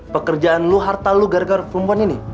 pekerjaan lo harta lo gara gara perempuan ini